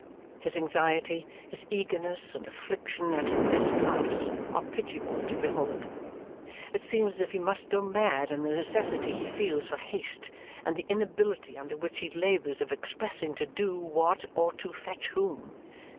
His anxiety, his eagerness, and affliction at this pass are pitiable to behold. It seems as if he must go mad in the necessity he feels for haste and the inability under which he labours of expressing to do what or to fetch whom.